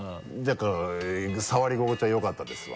触り心地はよかったですわ。